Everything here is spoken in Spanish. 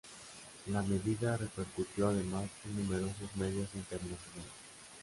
La medida repercutió además en numerosos medios internacionales.